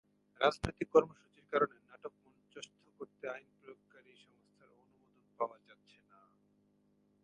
রাজনৈতিক কর্মসূচির কারণে নাটক মঞ্চস্থ করতে আইনপ্রয়োগকারী সংস্থার অনুমোদন পাওয়া যাচ্ছে না।